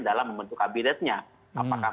dalam membentuk kabinetnya apakah